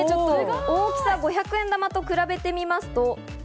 大きさを５００円玉と比べてみます。